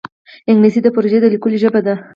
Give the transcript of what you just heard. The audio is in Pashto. انګلیسي د پروژو د لیکلو ژبه ده